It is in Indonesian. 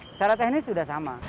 secara teknis sudah sama